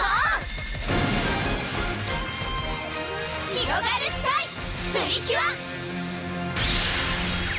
ひろがるスカイ！プリキュア！